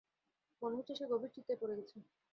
মনে হচ্ছে সে গভীর চিন্তায় পড়ে গেছে।